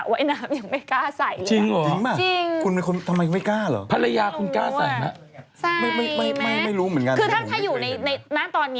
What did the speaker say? อื้มเคยเหมือนกันนะ